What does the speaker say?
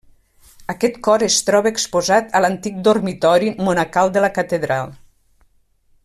Aquest cor es troba exposat a l'antic dormitori monacal de la catedral.